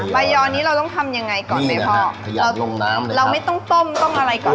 ใบยอนี้เราต้องทำยังไงก่อนไหมพ่อนี่นะฮะพยายามลงน้ำเลยครับเราไม่ต้องต้มต้มอะไรก่อน